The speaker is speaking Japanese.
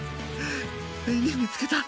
ついに見つけた。